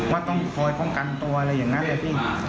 ว่าต้องคอยป้องกันตัวอะไรอย่างนั้นแหละพี่